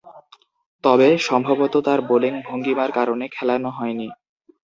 তবে, সম্ভবতঃ তার বোলিং ভঙ্গীমার কারণে খেলানো হয়নি।